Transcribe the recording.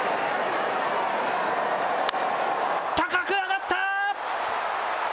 高く上がった。